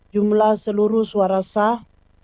jumlah seluruh suara sah